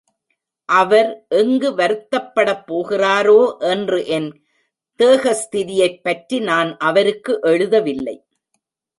அவர் எங்கு வருத்தப்படப் போகிறாரோ என்று என் தேகஸ்திதியைப் பற்றி நான் அவருக்கு எழுதவில்லை.